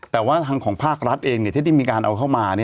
แต่ว่าทางของภาครัฐเองที่ได้มีการเอาเข้ามา